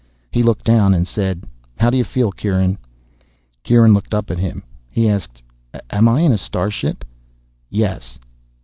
He looked down and said, "How do you feel, Kieran?" Kieran looked up at him. He asked, "Am I in a starship?" "Yes."